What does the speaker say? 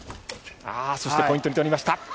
そしてポイント取りました。